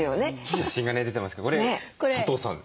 写真がね出てますけどこれ佐藤さん？